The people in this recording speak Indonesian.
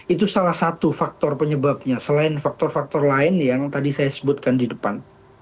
itu salah satu faktor penyebabnya selain faktor faktor lain yang tadi saya sebutkan di depan